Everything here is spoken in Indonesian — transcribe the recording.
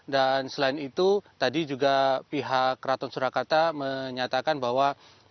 dan selain itu tadi juga pihak keraton surakarta menyatakan bahwa